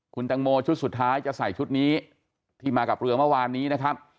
คุณตังโมชุดสุดท้ายจะใส่ชุดนี้ที่มากับเรือเมื่อวานนี้นะครับ